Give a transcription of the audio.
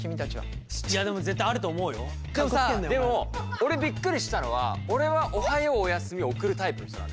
俺びっくりしたのは俺はおはようおやすみを送るタイプの人なのよ。